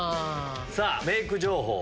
さぁメイク情報。